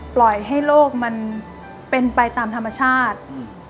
ปล่อยให้โลกมันเป็นไปตามธรรมชาติ